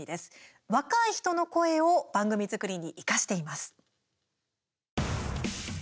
若い人の声を番組作りに生かしています。